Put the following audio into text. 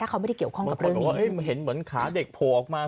ถ้าเขาไม่ได้เกี่ยวข้องกับเรื่องนี้เหมือนขาเด็กโผล่ออกมา